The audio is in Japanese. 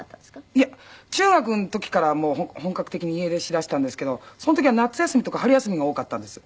いや中学の時から本格的に家出しだしたんですけどその時は夏休みとか春休みが多かったんです。